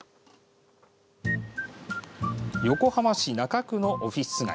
横浜市中区のオフィス街。